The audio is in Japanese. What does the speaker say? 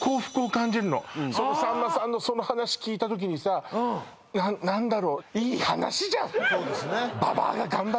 そのさんまさんのその話聞いた時にさ何だろうそうですね